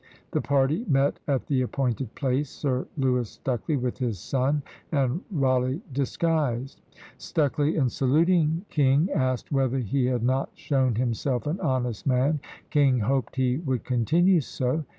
The party met at the appointed place; Sir Lewis Stucley with his son, and Rawleigh disguised. Stucley, in saluting King, asked whether he had not shown himself an honest man? King hoped he would continue so.